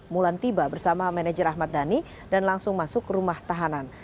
mulan tiba bersama manajer ahmad dhani dan langsung masuk ke rumah tahanan